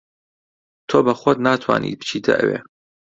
تۆ بە خۆت ناتوانیت بچیتە ئەوێ.